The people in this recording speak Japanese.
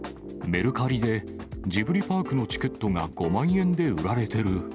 メルカリでジブリパークのチケットが５万円で売られてる。